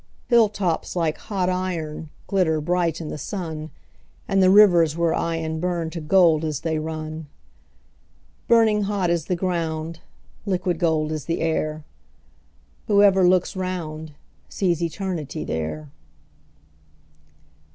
Hill tops like hot iron glitter bright in the sun, And the rivers we're eying burn to gold as they run; Burning hot is the ground, liquid gold is the air; Whoever looks round sees Eternity there.